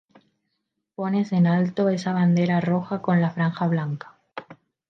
Pones en alto esa bandera roja con la franja blanca.